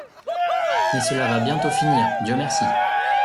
Mais cela va bientôt finir, Dieu merci !